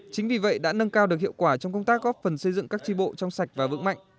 chính vì vậy đã nâng cao được hiệu quả trong công tác góp phần xây dựng các tri bộ trong sạch và vững mạnh